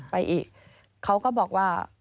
ไปอีกเขาก็บอกว่า